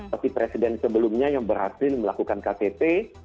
tapi presiden sebelumnya yang berhasil melakukan ktp